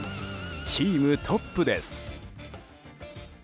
チームトップです。